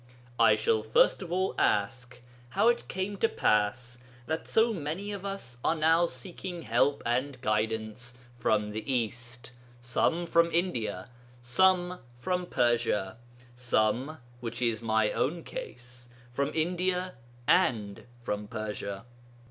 I shall first of all ask, how it came to pass that so many of us are now seeking help and guidance from the East, some from India, some from Persia, some (which is my own case) from India and from Persia.